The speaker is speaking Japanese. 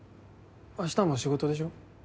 明日も仕事でしょ？